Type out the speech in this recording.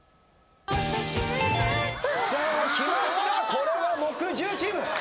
これは木１０チーム！